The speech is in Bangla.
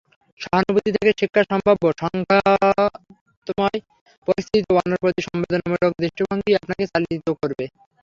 সহানুভূতি থেকে শিক্ষাসম্ভাব্য সংঘাতময় পরিস্থিতিতে অন্যের প্রতি সমবেদনামূলক দৃষ্টিভঙ্গিই আপনাকে চালিত করবে।